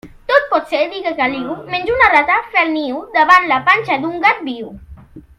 Tot pot ser, digué Caliu, menys una rata fer el niu davall la panxa d'un gat viu.